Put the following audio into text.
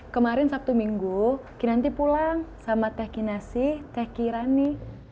kemarin sabtu minggu kinanti pulang sama teh kinasi teh kirani